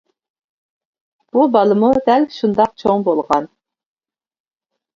بۇ بالىمۇ دەل شۇنداق چوڭ بولغان.